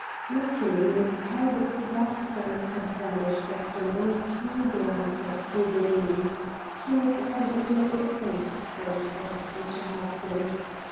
Luckily Miss Talbot's dark doubts had vanished after one keen glance at Daubeney. He was eminently a safe friend for her future husband.